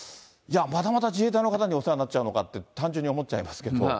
いや、またまた自衛隊の方にお世話になっちゃうのかって、単純に思っちゃいますけど。